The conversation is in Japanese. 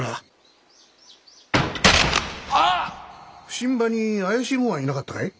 普請場に怪しい者はいなかったかい？